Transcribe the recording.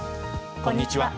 こんにちは。